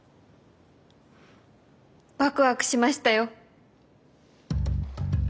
ワクワクしましたよ。